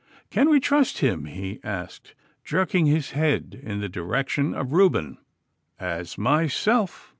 'Can we trust him?' he asked, jerking his head in the direction of Reuben. 'As myself.